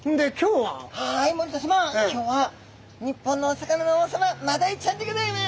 はい森田さま！今日は日本のお魚の王様マダイちゃんでギョざいます！